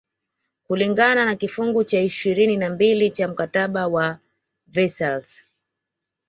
kulingana na kifungu cha ishirini na mbili cha mkataba wa Versailles